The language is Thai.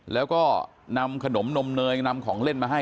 แล้วก็นำขนมนมเนยนำของเล่นมาให้